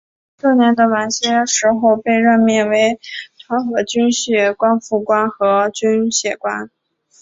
这年的晚些时候被任命为团和军械官副官和军械官。